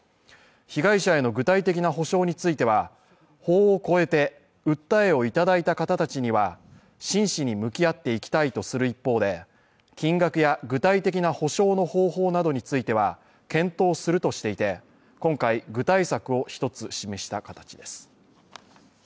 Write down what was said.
被害者への具体的な補償については法を超えて訴えをいただいた方たちには真摯に向き合っていきたいとする一方で、金額や具体的な補償の方法などについては検討するとしていて今回、具体策を１つ示した形です。